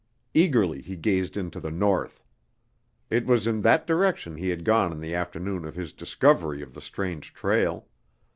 Eagerly he gazed into the North. It was in that direction he had gone on the afternoon of his discovery of the strange trail.